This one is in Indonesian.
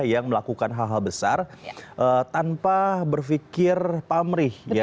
yang melakukan hal hal besar tanpa berpikir pamrih